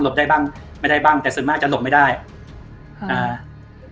ได้บ้างไม่ได้บ้างแต่ส่วนมากจะหลบไม่ได้อ่า